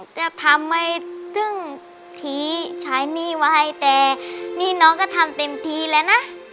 จะทำให้ถึงทีใช้หนี้ไว้แต่นี่น้องก็ทำเต็มที่แล้วนะ